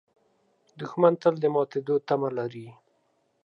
دښمن تل د ماتېدو تمه لري